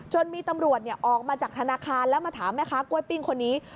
มีตำรวจออกมาจากธนาคารแล้วมาถามแม่ค้ากล้วยปิ้งคนนี้